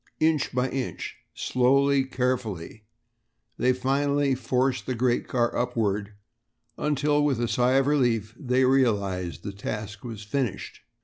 Inch by inch, slowly, carefully, they finally forced the great car upward, until with a sigh of relief they realized that the task was finished.